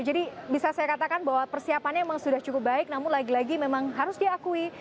jadi bisa saya katakan bahwa persiapannya memang sudah cukup baik namun lagi lagi memang harus diakui